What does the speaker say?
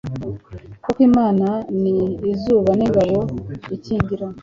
Koko Imana ni izuba n’ingabo inkingira